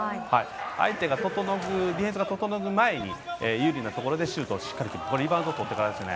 相手のディフェンスが整う前に有利なところで、しっかりとリバウンドを取ってからですね。